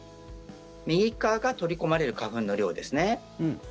右側が取り込まれる花粉の量ですね。